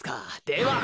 では。